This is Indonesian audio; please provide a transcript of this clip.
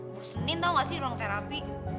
gue senin tau gak sih di ruang terapi